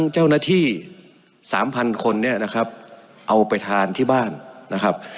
เจ้าหน้าที่๓๐๐คนเนี่ยนะครับเอาไปทานที่บ้านนะครับ